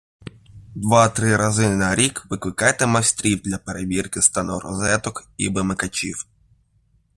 Два-три рази на рік викликайте майстрів для перевірки стану розеток і вимикачів